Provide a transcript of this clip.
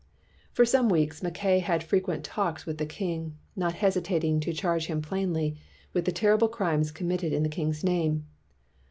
" For some weeks Mackay had frequent talks with the king, not hesitating to charge him plainly with the terrible crimes com mitted in the king's name.